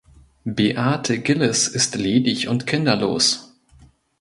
Beate Gilles ist ledig und kinderlos.